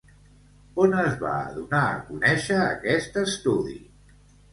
On es va donar a conèixer aquest estudi?